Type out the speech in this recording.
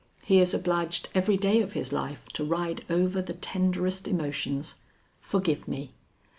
He is obliged every day of his life to ride over the tenderest emotions. Forgive me!